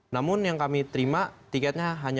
namun yang kami terima tiketnya hanya